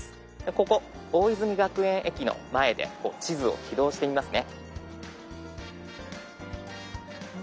ここ大泉学園駅の前で地図を起動してみますね。